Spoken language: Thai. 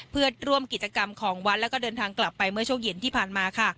เพื่อร่วมกิจกรรมของวัดและก็เดินกลับกลับไปเมื่อโชคหยินที่ผ่านมา